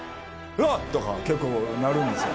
うわっ！とか、結構なるんですよ。